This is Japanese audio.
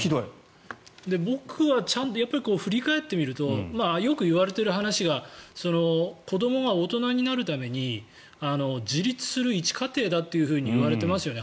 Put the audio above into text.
僕は振り返ってみるとよく言われている話が子どもは大人になるために自立する一過程だといわれていますよね